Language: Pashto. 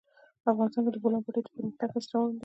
افغانستان کې د د بولان پټي د پرمختګ هڅې روانې دي.